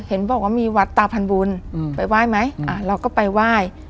เห็นบอกว่ามีวัดตาพันบุญไปไหว้ไหมเราก็ไปไหว้